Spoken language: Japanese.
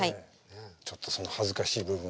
ちょっとその恥ずかしい部分を。